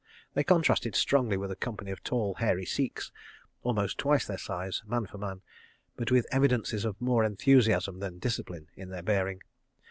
They contrasted strongly with a company of tall, hairy Sikhs, almost twice their size, man for man, but with evidences of more enthusiasm than discipline in their bearing.